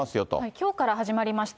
きょうから始まりました。